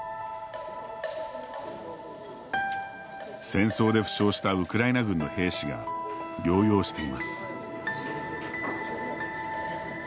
戦争で負傷したウクライナ軍の兵士が療養しています。